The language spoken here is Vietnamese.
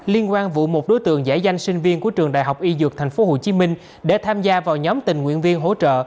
liên quan vụ một đối tượng giải danh sinh viên của trường đại học y dược thành phố hồ chí minh để tham gia vào nhóm tình nguyện viên hỗ trợ